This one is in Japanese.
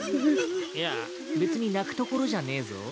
いや別に泣くところじゃねえぞ。